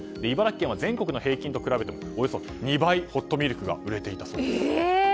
茨城県は全国の平均と比べてもおよそ２倍、ホットミルクが売れていたそうです。